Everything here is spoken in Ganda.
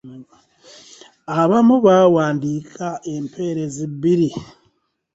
Abamu baawandiika empeerezi bbiri.